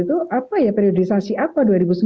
itu apa ya periodisasi apa dua ribu sembilan belas